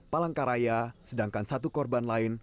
palangka raya sedangkan satu korban lain